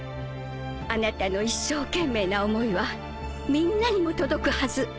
あなたの一生懸命な思いはみんなにも届くはず。